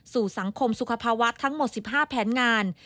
สู่สังคมสุขภาวะทั้งหมด๑๕แผนงาน